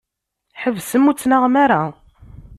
Ḥebsem ur ttnaɣem ara.